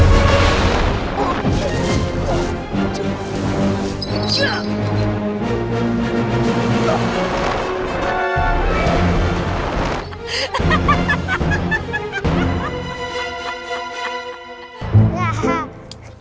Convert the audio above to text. kami akan mencari raden pemalarasa